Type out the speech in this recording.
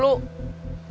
lagi kena musibah